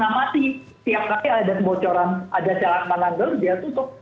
jadi tiap kali ada kebocoran ada celah keamanan dia tutup